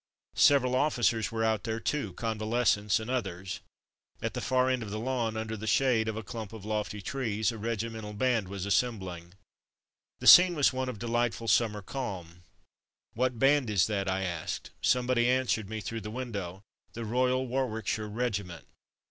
Several officers were out there too, convalescents and others. At the far end of the lawn, under the shade of a clump of lofty trees, a regimental band was assembling. Homesickness 131 The scene was one of delightful summer calm. "What band is that?'' I asked. Somebody answered me through the win dow: "The Royal Warwickshire Regiment.